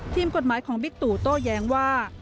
ทีมกฎหมายของบิ๊กตู่โต้แย้งว่า